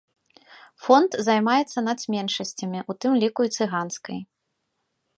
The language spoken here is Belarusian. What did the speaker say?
Фонд займаецца нацменшасцямі, у тым ліку і цыганскай.